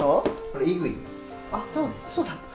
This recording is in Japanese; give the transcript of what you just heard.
あっそうだった。